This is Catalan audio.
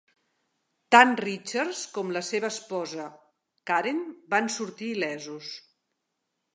Tan Richards com la seva esposa Karen van sortir il·lesos.